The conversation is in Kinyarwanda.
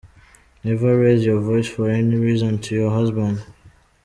Never raise your voice for any reason to your husband.